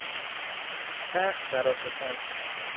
سخت بر آشفتن